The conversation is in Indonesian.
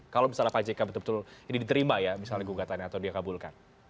kalau misalnya pak ck betul betul ini diterima ya misalnya gugatannya atau dikabulkan